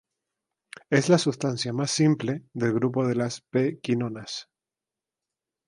Es la sustancia más simple del grupo de las "p"-quinonas.